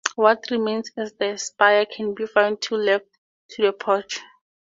What remains of the spire can be found to the left of the porch.